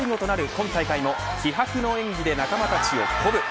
今大会も気迫な演技で仲間たちを鼓舞。